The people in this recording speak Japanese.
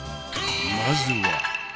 まずは。